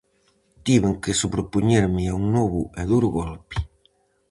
Tiven que sobrepoñerme a un novo e duro golpe.